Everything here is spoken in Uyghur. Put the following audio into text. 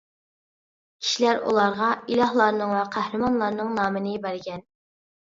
كىشىلەر ئۇلارغا ئىلاھلارنىڭ ۋە قەھرىمانلارنىڭ نامىنى بەرگەن.